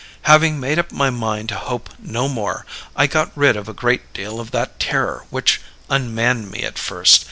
Having made up my mind to hope no more, I got rid of a great deal of that terror which unmanned me at first.